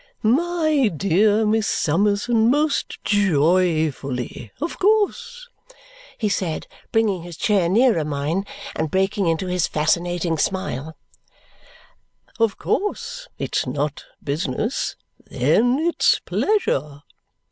"My dear Miss Summerson, most joyfully! Of course," he said, bringing his chair nearer mine and breaking into his fascinating smile, "of course it's not business. Then it's pleasure!"